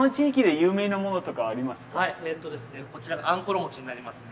こちらがあんころになりますね。